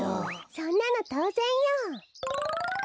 そんなのとうぜんよ。